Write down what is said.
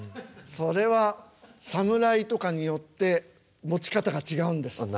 それは侍とかによって持ち方が違うんです。